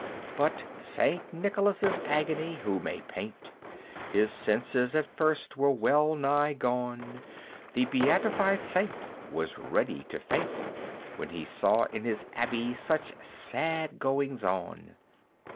But St. Nicholas's agony who may paint? His senses at first were well nigh gone; The beatified saint was ready to faint When he saw in his Abbey such sad goings on!